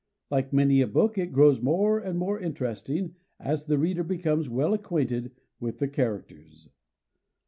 Like many a book, it grows more and more interesting as the reader becomes well acquainted with the characters.